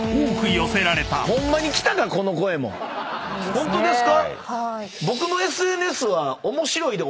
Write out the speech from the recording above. ホントですか？